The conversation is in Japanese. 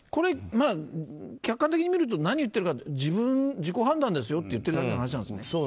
客観的に見ると何を言っているかというと自己判断ですよって言ってるだけの話なんです。